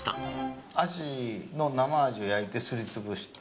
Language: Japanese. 「アジの生アジを焼いてすりつぶした」